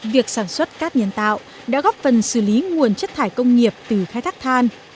việc sản xuất cát nhân tạo đã góp phần xử lý nguồn chất thải công nghiệp từ khai thác than